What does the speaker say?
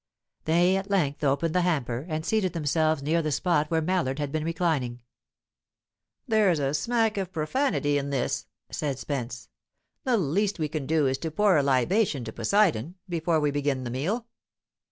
They at length opened the hamper, and seated themselves near the spot where Mallard had been reclining. "There's a smack of profanity in this," said Spence. "The least we can do is to pour a libation to Poseidon, before we begin the meal."